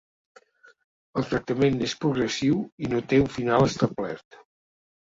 El tractament és progressiu i no té un final establert.